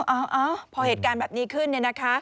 เอาพอเหตุการณ์แบบนี้ขึ้น